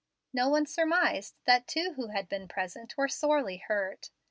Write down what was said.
No one surmised that two who had been present were sorely hurt.